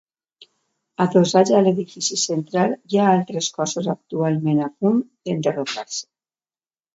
Adossats a l'edifici central hi ha altres cossos actualment a punt d'enderrocar-se.